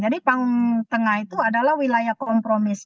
jadi panggung tengah itu adalah wilayah kompromis